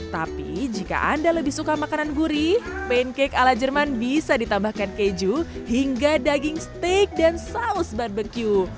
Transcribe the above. tapi jika anda lebih suka makanan gurih pancake ala jerman bisa ditambahkan keju hingga daging steak dan saus barbecue